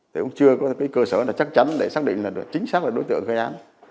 thì cũng chưa có cái cơ sở là chắc chắn để xác định là chính xác là đối tượng gây án